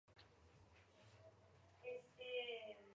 La Intendencia es el órgano ejecutivo del departamento.